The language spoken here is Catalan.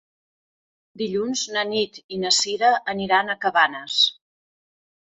Dilluns na Nit i na Cira aniran a Cabanes.